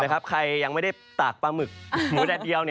ใครยังไม่ได้ตากปลาหมึกหมูแดดเดียว